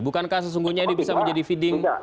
bukankah sesungguhnya ini bisa menjadi feeding